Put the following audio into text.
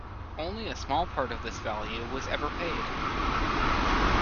Only a small part of this value was ever paid.